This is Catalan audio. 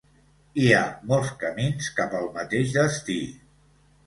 Hi ha molts camins cap al mateix destí.